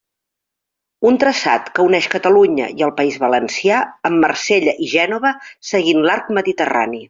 Un traçat que uneix Catalunya i el País Valencià amb Marsella i Gènova seguint l'arc Mediterrani.